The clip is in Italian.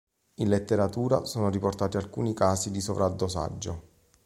In letteratura sono riportati alcuni casi di sovradosaggio.